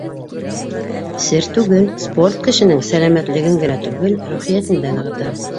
Сер түгел, спорт кешенең сәләмәтлеген генә түгел, рухиәтен дә нығыта.